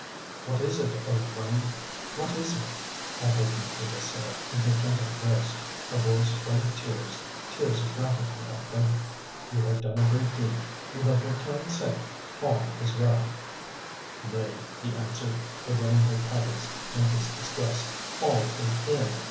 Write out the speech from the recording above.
"What is it, O friend, what is it?" I heard Maqueda say in her gentle voice—a voice full of tears, tears of gratitude I think. "You have done a great deed; you have returned safe; all is well." "Nay," he answered, forgetting her titles in his distress, "all is ill.